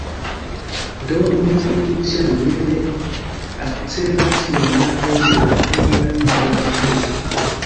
Do nun oni ĉiamaniere akcelas lernadon de la angla en Germanio.